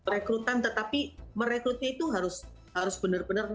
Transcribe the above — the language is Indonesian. rekrutan tetapi merekrutnya itu harus benar benar